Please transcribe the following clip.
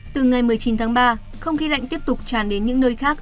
từ ngày một mươi chín tháng ba không khí lạnh tiếp tục tràn đến những nơi khác